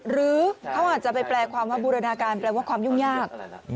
หรือเขาอาจจะไปแปลความว่าบูรณาการแปลว่าความยุ่งยาก